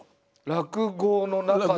落語の中で？